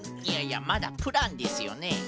いやいやまだプランですよね？